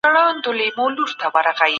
ښاري استازي پر څه تمرکز کوي؟